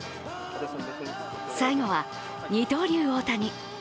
最後は二刀流・大谷。